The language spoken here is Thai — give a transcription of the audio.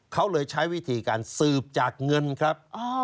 เขาเลยใช้วิธีการสืบจากเงินครับ